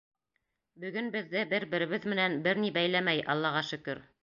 Бөгөн беҙҙе бер-беребеҙ менән бер ни бәйләмәй, Аллаға шөкөр!